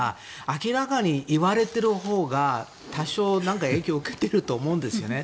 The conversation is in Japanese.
明らかに言われているほうが多少、影響を受けていると思うんですね。